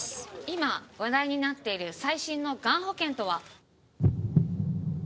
今話題になっている最新のがん保険とは？